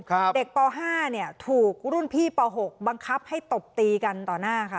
เด็กป๕เนี่ยถูกรุ่นพี่ป๖บังคับให้ตบตีกันต่อหน้าค่ะ